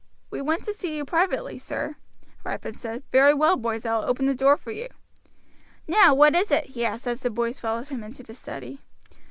"We want to see you privately, sir," Ripon said. "Very well, boys, I will open the door for you. "Now, what is it?" he asked as the boys followed him into the study.